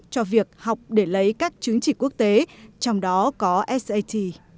cho việc học để lấy các chứng chỉ quốc tế trong đó có sat